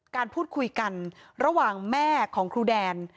การพูดคุยกันระหว่างแม่ของครูแดน